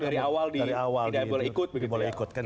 dari awal tidak boleh ikut